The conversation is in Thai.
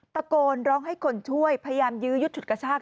ตะโกนร้องให้คนช่วยพยายามยื้อยุดฉุดกระชาก